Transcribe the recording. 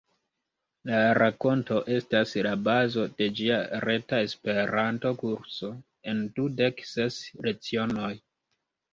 La rakonto estas la bazo de ĝia reta Esperanto-kurso en dudek ses lecionoj.